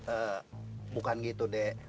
eh bukan gitu dek